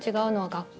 学校。